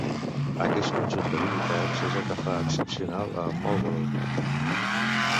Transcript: Aquest conjunt d'habilitats és el que fa excepcional a Marlborough.